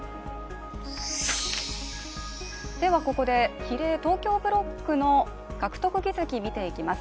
ここで比例・東京ブロックの獲得議席見ていきます。